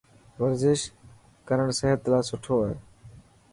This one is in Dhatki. ورزش ڪرن سحت لاءِ سٺو هي.